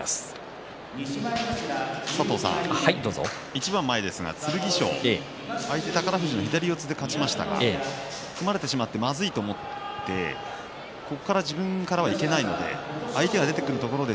一番前ですが、剣翔宝富士の左四つで勝ちましたが組まれてしまってまずいと思って自分からはいけないので相手が出てくるところを